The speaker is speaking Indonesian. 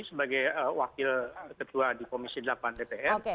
sebagai wakil ketua di komisi delapan dpr